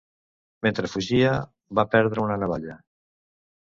Mentre fugia, va perdre una navalla.